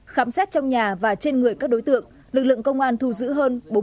khám xét trong nhà và trên người các đối tượng lực lượng công an thu giữ hơn